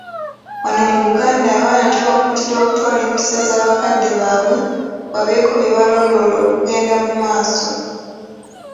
Wano mu Buganda abaana tubakuutira okutwala empisa za bakadde baabwe babeeko bye balondoola okugenda mu maaso.